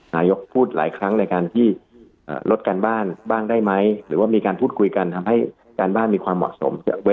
นายกพูดหลายครั้งในการที่ลดการบ้านบ้างได้ไหมหรือว่ามีการพูดคุยกันทำให้การบ้านมีความเหมาะสม